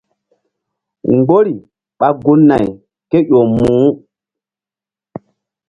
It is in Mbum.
Mgbori ɓa gun- nay kéƴo muh.